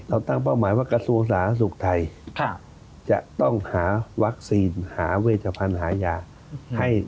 ตั้งเป้าหมายว่ากระทรวงสาธารณสุขไทยจะต้องหาวัคซีนหาเวชพันธุ์หายาให้